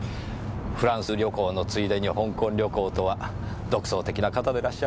フランス旅行のついでに香港旅行とは独創的な方でらっしゃる。